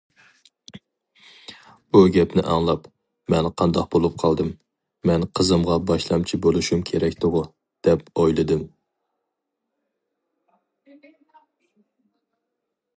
بۇ گەپنى ئاڭلاپ، مەن قانداق بولۇپ قالدىم؟ مەن قىزىمغا باشلامچى بولۇشۇم كېرەكتىغۇ، دەپ ئويلىدىم.